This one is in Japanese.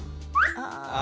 ああ。